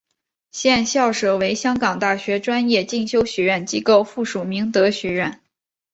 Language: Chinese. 现校舍为香港大学专业进修学院机构附属明德学院。